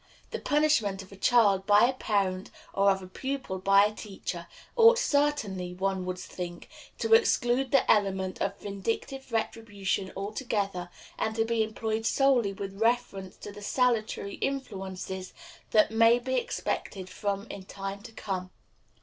The punishment of a child by a parent, or of a pupil by a teacher, ought certainly, one would think, to exclude the element of vindictive retribution altogether, and to be employed solely with reference to the salutary influences that may be expected from it in time to come.